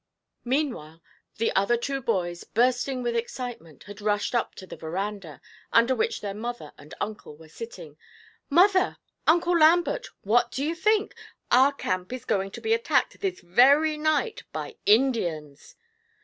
Meanwhile, the other two boys, bursting with excitement, had rushed up to the verandah, under which their mother and uncle were sitting. 'Mother! Uncle Lambert! What do you think? Our camp is going to be attacked this very night by Indians!'